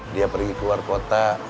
dia pergi keluar kota